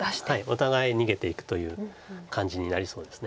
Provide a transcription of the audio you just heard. お互い逃げていくという感じになりそうです。